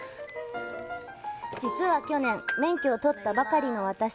実は、去年、免許を取ったばかりの私。